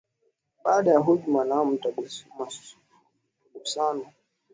Baada ya hujma na mazungushano ya huku na kule ikabidi iundwe